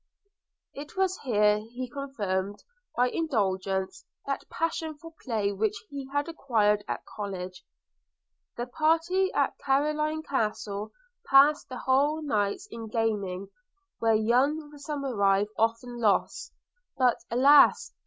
It was here he confirmed, by indulgence, that passion for play which he had acquired at college. The party at Carloraine Castle passed whole nights in gaming, where young Somerive often lost, but alas!